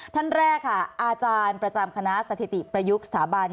ท่านแรกค่ะอาจารย์ประจำคณะสถิติประยุกต์สถาบัน